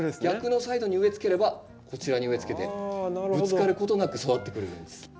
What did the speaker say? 逆のサイドに植えつければこちらに植えつけてぶつかることなく育ってくれるんです。